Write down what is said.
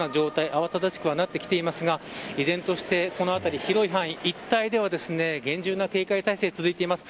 慌ただしくはなってきていますが依然としてこの辺り広い範囲一帯では厳重な警戒態勢が続いています。